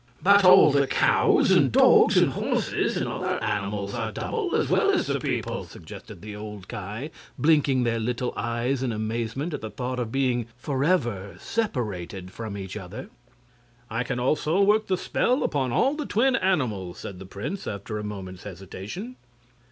"But all the cows and dogs and horses and other animals are double, as well as the people," suggested the old Ki, blinking their little eyes in amazement at the thought of being forever separated from each other. "I can also work the spell upon all the twin animals," said the prince, after a moment's hesitation.